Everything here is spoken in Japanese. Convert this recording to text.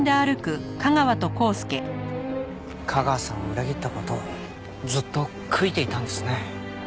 架川さんを裏切った事ずっと悔いていたんですね。